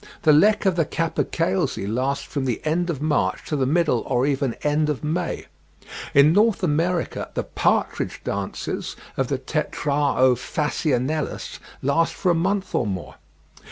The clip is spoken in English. The lek of the capercailzie lasts from the end of March to the middle or even end of May. In North America "the partridge dances" of the Tetrao phasianellus "last for a month or more."